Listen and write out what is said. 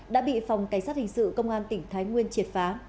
đã bị phòng cảnh sát hình sự công an tỉnh thái nguyên triệt phá